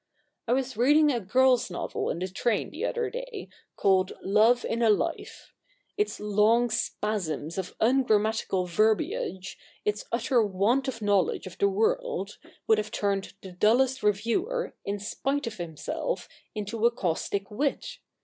I was reading a girl's novel in the train the other day, called Love in a Life, Its long spasms of ungrammatical verbiage, its utter want of knowledge of the world, would have turned the dullest reviewer, in spite of himself, into a caustic wit.